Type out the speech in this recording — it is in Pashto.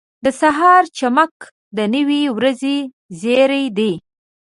• د سهار چمک د نوې ورځې زیری دی.